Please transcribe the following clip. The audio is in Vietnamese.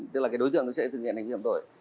tức là đối tượng sẽ thực hiện hành vi hành tội